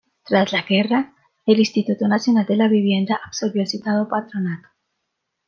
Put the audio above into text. Tras la guerra, el Instituto Nacional de la Vivienda absorbió el citado patronato.